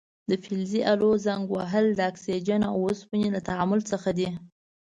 د فلزي الو زنګ وهل د اکسیجن او اوسپنې له تعامل څخه دی.